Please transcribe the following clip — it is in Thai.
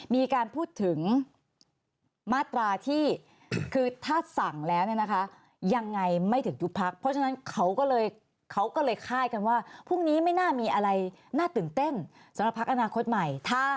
มีการพูดถึงมาตราที่คือถ้าสั่งแล้วเนี่ยนะคะยังไงไม่ถึงยุบพักเพราะฉะนั้นเขาก็เลยเขาก็เลยคาดกันว่าพรุ่งนี้ไม่น่ามีอะไรน่าตื่นเต้นสำหรับพักอนาคตใหม่